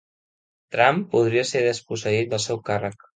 Trump podria ser desposseït del seu càrrec